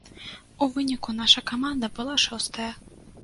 У выніку, наша каманда была шостая.